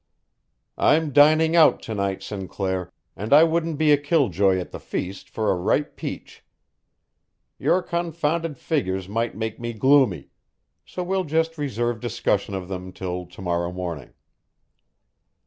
"I'm dining out to night, Sinclair, and I wouldn't be a kill joy at the feast, for a ripe peach. Your confounded figures might make me gloomy; so we'll just reserve discussion of them till to morrow morning.